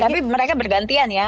tapi mereka bergantian ya